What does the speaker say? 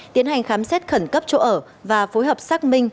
tiến hành khám xét khẩn cấp chỗ ở và phối hợp xác minh